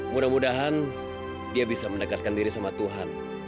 mudah mudahan dia bisa mendekatkan diri sama tuhan